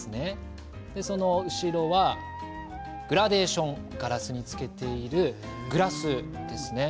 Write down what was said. その後ろはグラデーションをガラスにつけているグラスですね。